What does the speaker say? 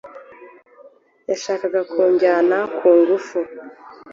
yashakaga kujyana kungufu